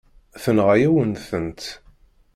Tenɣa-yawen-tent.